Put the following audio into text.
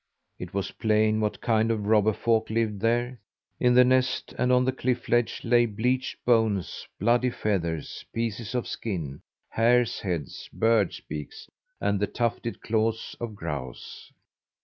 It was plain what kind of robber folk lived there! In the nest and on the cliff ledge lay bleached bones, bloody feathers, pieces of skin, hares' heads, birds' beaks, and the tufted claws of grouse.